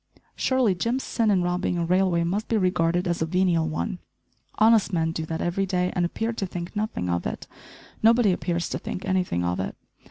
Surely Jim's sin in robbing a railway must be regarded as a venial one. Honest men do that every day and appear to think nothing of it! Nobody appears to think anything of it.